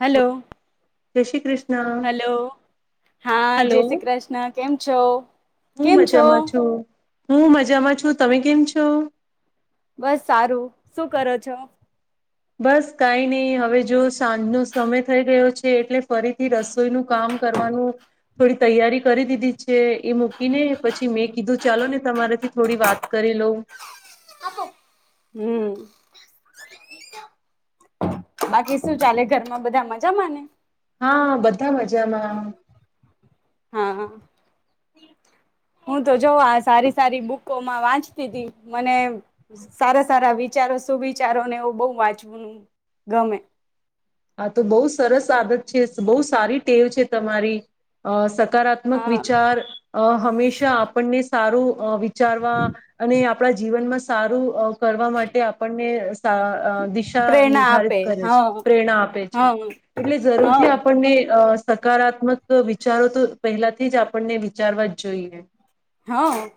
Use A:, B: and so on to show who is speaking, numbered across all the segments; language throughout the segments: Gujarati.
A: હાલો.
B: જય શ્રી ક્રીશ
A: હાલો, હા જય
B: હલો.
A: શ્રી કૃષ્ણ. કેમ છો,
B: હું
A: કેમ છો?
B: મજામાં છું. હું મજામાં છું, તમે કેમ છો?
A: બસ સારું. શું કરો છો?
B: બસ, કાઈ નહી. હવે જો સાંજનો સમય થઈ ગયો છે, એટલે ફરીથી રસોઈનું કામ કરવાનું, થોડી તૈયારી કરી દીધી છે, એ મૂકીને પછી મેં કીધું ચાલો ને, તમારાથી થોડી વાત કરી લઉં.
A: હમ્મ. બાકી સુ ચાલે, ઘર માં બધા મજામાંને?
B: હા, બ ધા મજામાં.
A: હા હું તો જો આ સારી સારી બુકોમાં વાંચતીતી. મને સારાસારા વિચારો સુવિચારોને એવું બહુ વાંચવું, ગમે.
B: આ તો બહુ સરસ આદત છે, બહુ સારી ટેવ છે, તમારી સ સકારાત્મક
A: હા
B: વિચાર, અ, હમેશા આપણને સારું અ, વિચારવા અને આપણા જીવનમાં સારું અ, કરવા માટે આપણને સા અ અ દિશા
A: પ્રેરણા
B: નિર્ધારિત
A: આપે
B: કરે
A: હા
B: છે. પ્રેરણા આપે છે.
A: હા
B: એટલે
A: હા
B: ઝરૂરથી આપણને અ સકારાત્મક વિચારો તો, પહેલાથી જ આપણને વિચારવા જ જોઈએ.
A: હા,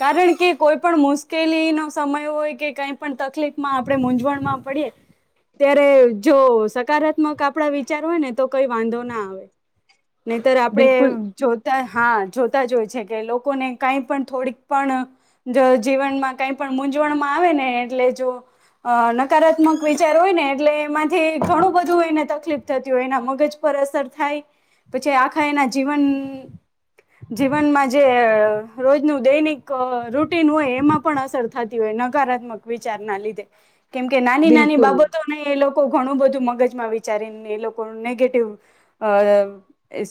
A: કારણ કે કોઈ પણ મુસ્કેલીનો સમય હોય કે કઈ પણ તકલીફમાં, આપણે મૂઝવણમાં પડીએ, ત્યારે જો સકારાત્મક આપણા વિચાર હોય ને તો કઈ વાંધો ના આવે. નહીતર આપડે
B: બિલકુલ
A: જોતા હા, જોતા જ હોય છે કે લોક કોને કઈ પણ થોડીક પણ જ, જીવનમાં કઈ પણ મૂંઝવણમાં આવે ને એટલે જો અ નકારાત્મક વિચાર હોય ને એટલે એમાંથી ઘણું બધું એને તકલીફ થતી હોય એના મગજ પર અસર થાય પછી આખા એના જીવન, જીવનમાં જે અ રોજનું દૈનિક રૂટીન હોય એમાં પણ અસર થતી હોય, નકારાત્મક વિચાર ના લીધે. કેમકે નાની નાની
B: બિલકુલ
A: બાબતોને એ લોકો ઘણું બધું મગ મગજમાં વિચારીને એ લોકો, નેગેટિવ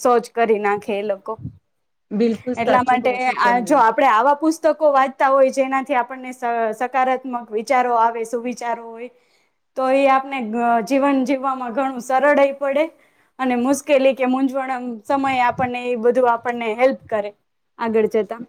A: સોચ કરી નાખે એ લોકો.
B: બિલકુલ સાચુ.
A: તે જો આપડે આવા પુસ્તકો વાંચ તા હોય જેનાથી આપણને સ સકારાત્મક વિચારો આવે, સુવિચારો હોય તો એ આપને ઘ જીવન જીવવામાં ઘણું સરળે પડે અને મુસ્કેલી કે મૂઝવણમ સમયે આપણને એ બધું આપણને હેલ્પ કરે. આગળ જતાં.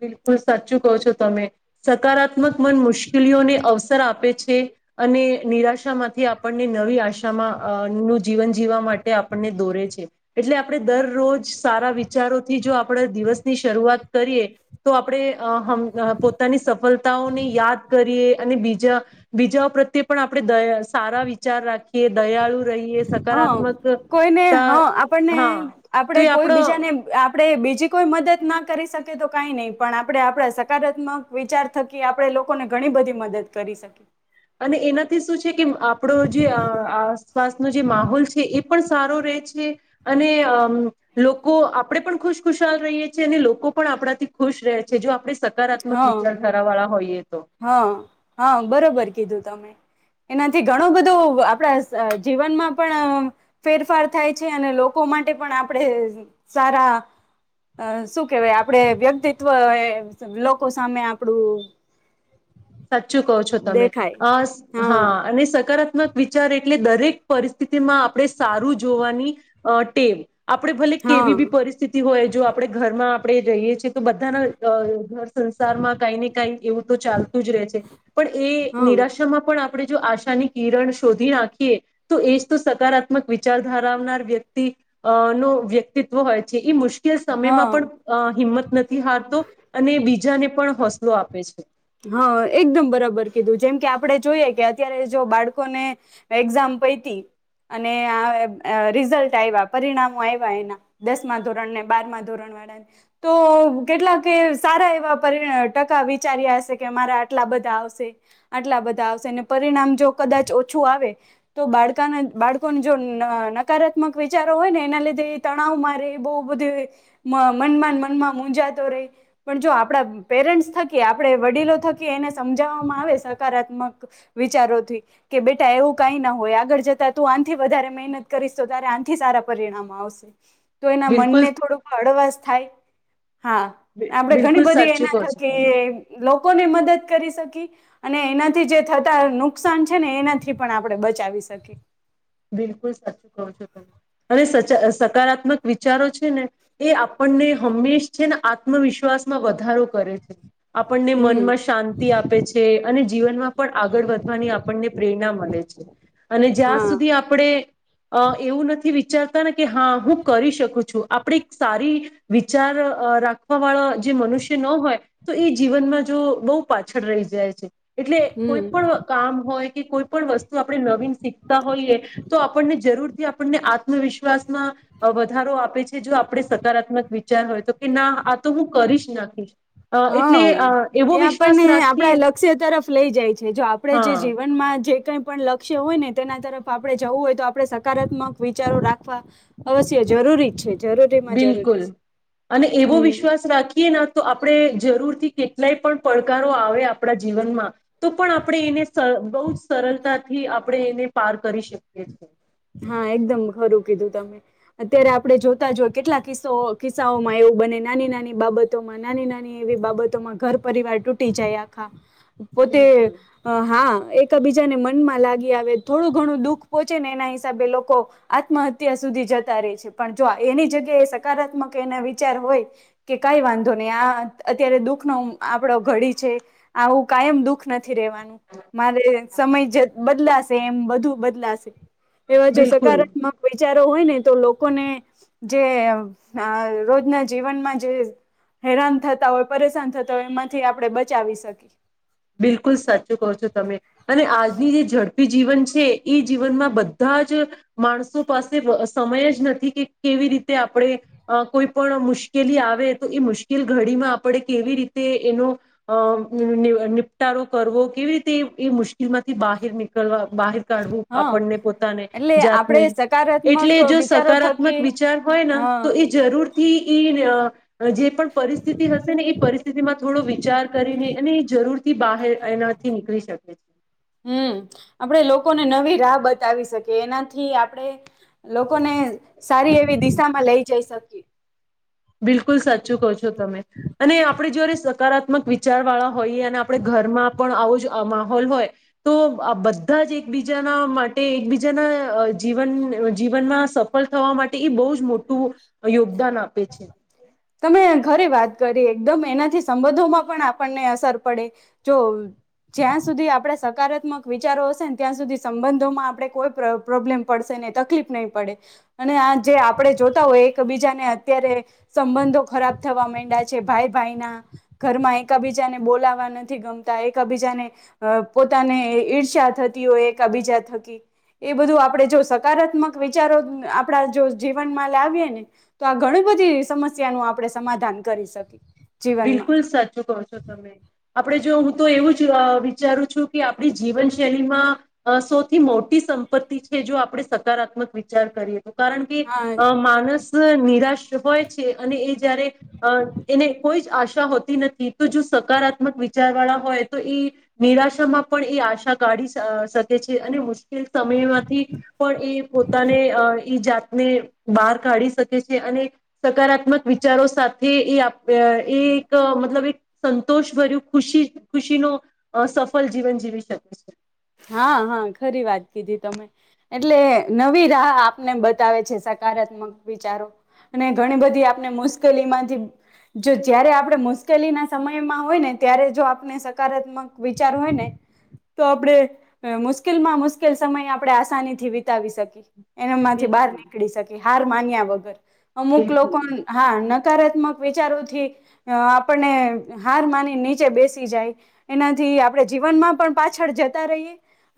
B: બિલકુલ સાચું કહો છો તમે. સકારાત્મક મન મુશ્કેલીઓને અવસર આપે છે અને નિરાશામાંથી આપણને નવી આશામાં અ નું જીવન જીવવા માટે આપણને દોરે છે. એટલે આપણે દરરોજ સારા વિચારોથી જો આપણે દિવસની શરૂઆત કરીએ તો આપણે અ હમ પોતાની સફળ તાઓ ને યાદ કરીએ અને બીજા બીજાઓ પ્રત્યે પણ આપણે દ સારા વિચાર રાખીએ દયાળુ રહીએ
A: હ,
B: સકારાત્મક
A: કોઈને
B: તા
A: હ, આપણને
B: હા તો
A: આપડે
B: એ
A: કોઈ
B: આપણો
A: બીજાને આપ આપણે બીજી કોઈ મદદ ના કરી શકે તો કઈ નહી, પણ આપણે આપણા સકારાત્મક વિચાર થકી, આપણે લોકોને ઘણી બધી મદદ કરી શકીએ.
B: અને એનાથી શું છે, કે આપડો જે અહ આ સ્વાસ્થ નો જે માહોલ છે એ પણ સારો રહે છે. અને અમ્મ લોકો આપડે પણ ખુશ ખુશાલ રહીએ છીએ અને લોકો પણ આપડાથી ખુશ રહે છે. જો આપડે સ કારાત્મક
A: હા
B: વિચાર ધરાવાળા હોઈએ.
A: હા, હા બરોબર કીધું. તમે. એનાથી ઘણું બધું આપડા સ જીવનમાં પણ અહ ફેરફાર થાય છે અને લોકો માટે પણ આપણે સારા અહ શું કેવાય, આપડે વ્યક્તિત્વ એ લોકો સામે આપડું
B: સાચું કહો છો તમે,
A: દેખાય
B: અશ હા, અને સકારાત મક વિચાર એટલે, દરેક પરિસ્થિતિમાં આપણે સારું જોવાની અ ટેવ. આપડે ભલે કેવી
A: હા
B: બી પરિસ્થિતિ હોય જો આપણે ઘરમાં આપડે જોઈએ છીએ. તો બધાના અ ઘર સંસારમાં કઈ ને કઈ એવું તો ચાલ એવું જ રહે છે. પણ એ
A: હા
B: નિરાશામાં પણ આપ આપણે જો આશાની કિરણ શોધી નાખીએ. તો, એ જ તો સકારાત્મક વિચાર ધરાવનાર વ્યક્તિ અ નો વ્યક્તિત્વ હોય છે. એ મુશ કેલ સમયમાં
A: હા
B: પણ અઅ હિંમત નથી હારતો. અને બીજાને પણ હોશ લો આપે છે.
A: હઅઅ એકદમ બરાબર કીધું. જેમ કે, આપડે જોઈએ કે અત્યારે જો, બાળકોને એક્ઝામ પૈતી અને અ આ રિઝલ્ટ આવ્યા પરિણામો આવ્યા. એના દસમા ધોરણને, બારમા ધોરણવાળાને તો કેટલાકે સારા એવા પરિણા ટકા વિચાર્યા હશ કોઈ કે મારા આટલા બધા આવશે. આટલા બધા આવશે. અને પરિણામ જો કદાચ ઓછું આવે. તો, બાળકાના બાળકોને જો નકારાત્મક વિચારો હોયને એના લીધે એ તણાવમાં રે, બહુ બધું મનમાંન મનમાં મુંજાતો રે પણ જો આપણા પેરેન્ટસ થકી આપણે વડીલો થકી, એને સમજાવવામાં આવે, સકારાત્મક વિચારોથી, કે બેટા એવું કંઈ ના હોય. આગળ જતા તું આંથી વધારે મહેનત કરીશ. તો, તારે આંથી સારા પરિણામ આવશે. તો, એના મન
B: બિલકુલ
A: ને થોડુંક હળવાશ થાય. હા! આપડે ઘણી
B: બિલકુલ
A: બધી
B: સાચું
A: એના
B: કહો છો તમે.
A: થકી લોકોને મદદ કરી શકી. અને એનાથી જે થતા નુકસાન છે, ને એનાથી પણ આપણે બચાવી શકીએ.
B: બિલકુલ સાચું કહો છો તમે અને સચા સકારાત્મક વિચારો છે, ને એ આપણને હંમેશ છે, ને આત્મવિશ્વાસમાં વધારો કરે. આપણને
A: હમ
B: મનમાં શાંતિ આપે છે. અને જીવનમાં પણ આગળ વધવાની આપણને પ્રેરણા મલે છે. અને જ્યાંશ
A: હા
B: સુધી આપણે અ એવું નથી, વિ ચારતા ને કે હા હું કરી શકું છું. આપણે એક સારી વિચાર રાખવા વાળા જે મનુષ્ય ન હોય, તો એ જીવનમાં જો બહુ પાછળ રહી જાય છે. એટલે
A: હમ.
B: કોઈપણ કામ હોય, કે, કોઈપણ વસ્તુ આપણે નવીન શીખ તા હોઈએ તો, આપણને જરૂર થી આપણને આત્મવિશ્વાસમાં વધારો આપે છે. જો આપણે સકારાત્મક વિચાર હોય તો, કે ના આ તો હું કરીશ નાખીશ. અ એટલે
A: હા,
B: અ એવો
A: એ
B: વિશ્વાસ
A: આપણને
B: રાખીએ
A: આપણા લક્ષ્ય તરફ લઈ જાય છે. જો આપે
B: હા
A: જે જીવનમાં જે કઈ પણ લક્ષ્ય હોયને, તેના તરફ આપણે જવું હોય તો આપણે, સકારાત્મક વિચારો રાખવા અવશ્ય જરૂરી જ છે. જરૂરીમાં જરૂરી
B: બિલકુલ
A: છે
B: અને એવો
A: હમ.
B: વિશ્વાસ રાખીએ ના તો આપ આપણે જરૂરથી કેટલાય પણ પડકારો આવે આપણા જીવનમાં તો પણ આપણે એને સ બહુ જ સરળતાથી આપ આપણે એને પાર કરી શકીએ છીએ.
A: હા એકદમ ખરું કીધું તમે અત્યારે આપણે જોતા જ હોય કેટલા કિસ્સો કિસ્સાઓમાં એવું બને નાની નાની બાબતોમાં નાની નાની એવી બાબતોમાં ઘર પરિવાર તૂટી જાય આખા. પોતે
B: બિલકુલ
A: હા એક. એકા બીજાને મનમાં લાગી આવે થોડું ઘું દુઃખ પોહોચે ને એના હી [unintelligible] લોકો આત્મહત્યા સુધી જતા રહે છે પણ જો એની જગ્યાએ એ સકારાત્મક એના વિચાર હોય કે કઈ વાંધો નહી આ અત્યારે દુખ નો આપડો ઘડી છે આવું કાયમ દુખ ન થી રેવાનું મારે સમય જ બદલાશે એમ બધું બદલાશે. એવા જો
B: બિલકુલ
A: સકારાત્મક હોય. વીચારો હોય ને તો લોકોને જે અહ રોજના જીવનમાં જે હેરાન થતા હોય પરેશાન થતા હોય એમાંથી આપણે બચાવી શકીએ.
B: બિલકુલ સાચું કહો છો તમે અને આજની જે ઝડપી જીવન છે એ જીવનમાં બધા જ માણસો પાસે સમય જ નથી કે કેવી રીતે આપણે અહ કોઈ પણ મુશ્કેલી આવે તો એ મુશ્કેલ ઘડીમાં આપણે કેવી રીતે એનો અહ નીવ [unintelligible] વિતારો કરવો કેવી રીતે એ મુશ્કેલ માંથી બહેર નીકળવા. બહેર કાઢવું
A: હા
B: આપણને પોતાને
A: એટલે આપણે
B: જાતને એટલે
A: સકારાત્મક
B: જો
A: વિચારો
B: સકારાત્મક
A: થકી
B: વિચાર હોય ના
A: હા
B: તો એ જરૂર થી ઈ અહ જે પણ પરિસ્થિતિ હશે ને એ પરિસ સ્થિતિમાં થોડો વિચાર કરીને અને એ જરૂર થી બહાર એનાથી નીકળી શકે છે.
A: હમ્મ આપડે લોકોને નવી રાહ બતાવી શકીએ એનાથી આપડે લો કોને સારી એવી દિશા. માં લઈ જઈ શકીયે
B: બિલકુલ સાચું કહો છો તમે અને આપડે જયારે સ કારાત્મક વિચાર વાળા હોઈએ અને આપણે ઘરમાં પણ આવો જ અ માહોલ હોય તો આ બધા જ એકબીજાના માટે એકબીજાના જીવન જીવનમાં સફળ થવા માટે એ બહુ જ મોટું યોગદાન આપે છે.
A: તમે ખરી વાત કરી એકદમ એનાથી સંબંધોમાં પણ આપણને અસર પડે જો જ્યાં સુધી આપણે સકારાત્મક વિચારો હશેને ત્યાં સુધી સંબંધોમાં આપણે કોઈ પ્ર પ્રોબ્લેમ પડશે નહી તકલીફ નહી પડે અને આ જે આપડે જોતા હોય એકબીજાને અત્યારે સંબંધો ખરાબ થવા માંડ્યા છે ભાઈ ભાઈના ઘરમાં એકાબીજાને બોલાવા નથી ગમતા એકાબીજાને પોતાને ઈર્ષા થતી હોય એકબીજા થકી એ બધું આપણે જો સકારાત્મક વિચારો આપડા જો જીવનમાં લાવીએ ને તો આ ઘણી બધી સમસ્યા નું આપણે સમાધાન કરી શકીએ જીવનમાં
B: બિલકુલ સાચું કહો છો તમે આપડે જો હું તો એવું જ વિચારું છું કે આપણી જીવનશૈલીમાં સૌથી મોટી સંપત્તિ છે જો આપણે સકારાત્મક વિચાર કરીએ કારણ કે
A: હા
B: અહ માણસ નિરાશ હોય છે અને એ જયારે અ એને કોઈ જ આશા હોતી નથી તો જો સકારાત્મક વિચાર વાળા હોય તો એ નિરાશામાં પણ એ આશા કાઢીઅહ શકે છે અને મુશ કેલ સમય માંથી પણ એ પોતાને અહ એ જાત અને બહાર કાઢી શકે છે અને સકારાત્મક વિચારો સાથે એ આપ અ એ તો મતલબ એક સંતોષ ભર્યું ખુશી ખુશી નો સફળ જીવન જીવી શકે છે.
A: હા હા ખરી વાત કીધી તમે એટલે નવી રાહ આપને બતાવે છે સકારાત્મક વિચારો અને ઘણી બધી આપણે મુશ્કેલી માંથી જો જયારે આપણે મુશ્કેલી ના સમયમાં હોય ને ત્યારે જો આપણે સકારાત્મક વિચાર હોય ને તો આપણે મુશ્કેલ માં મુશ્કેલ સમય આપણે આસાની થી વિતાવી શકી. એના માંથી બહાર
B: બિલકુલ
A: નીકળી શકે હાર માન્યા વગર અમુક
B: બિલકુલ
A: લોકો હા હકારાત્મક વિચારોથી આપણને હાર માની નીચે બેસી જાય એનાથી આપણે જીવનમાં પણ પાછળ જતા તા રહી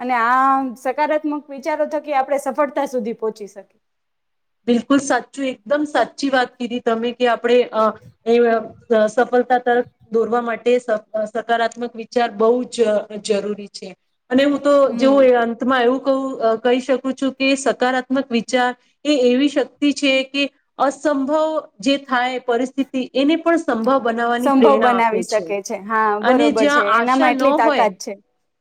A: અને આમ સકારાત્મક વિચારો થકી આપણે સફળતા સુધી પહોંચી શકીએ.
B: બિલકુલ સાચું એકદમ સાચી વાત કીધી તમે કે આ આપડે અ એ સફળતા તરફ દોરવા માટે સકારાત્મક વિચાર બહુ જ જરૂરી છે. અને હું તો જેવું
A: હમ
B: એ અંતમાં આવું ક કહી શકું છું કે સકારાત્મક વિચાર એ એવી શક્તિ છે કે અસંભવ જે થાય પરિસ્થિતિ એને પણ સંભવ બનાવવાની
A: સંભવ
B: પ્રેરણા આપે
A: બનાવી શકે છે હા
B: અને
A: બરોબર છે
B: જ્યાં આશા
A: એનામાં
B: ન
A: એટલી
B: હોય
A: તાકાત છે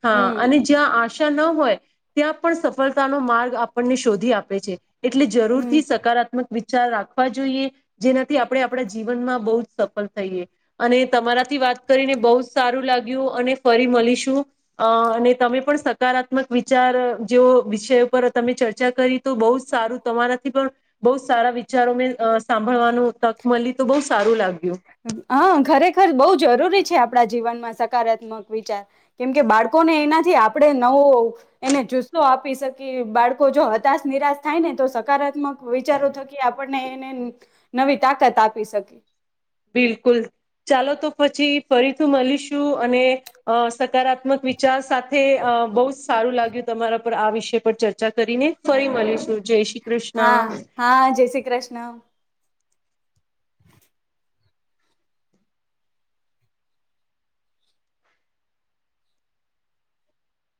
B: હા
A: હમ્.
B: અને જ્યાં આશા ન હોય ત્યાં પણ સફળતાનો માર્ગ આપણને શોધી આપે છે. એટલે જરૂર
A: હમ
B: થી સકારાત્મક વિચાર રાખવા જોઈએ જેનાથી આપણે આપણા જીવનમાં બહુ જ સફળ થઈએ અને તમારાથી વાત કરીને બહુ જ સારું લાગ્યું અને ફરી મળીશું અ અને તમે પણ સકારાત્મક વિચાર જેવ વિષયો પર તમે ચર્ચા કરી તો બહુ સારું તમારાથી પણ બહુ સારા વિચારો મેં સાંભળવાનું તક મળી તો બહુ સારું લાગ્યું.
A: હ ખરેખર બહુ જરૂરી છે આપડા જીવનમાં. સકારાત્મક વિચાર કેમ કે બાળકોને એના જ આપડણે નવો એને જુસ્સો આપ આપી શકી બાળકો જો હતાશ નિરાશ થાય ને તો સકારાત્મક વિચારો થકી આપણને એને નવી તાકાત આપી શકી.
B: બિલકુલ ચાલો તો પછી ફરીથી મળીશું અને અ સકારાત્મક વિચાર સાથે બહુ જ સારું લાગ્યું તમારા પર આ વિષય પર ચર્ચા કરીને ફરી મળીશું જય શ્રી કૃષ્ણ
A: હા હા જય શ્રી કૃષ્ણ.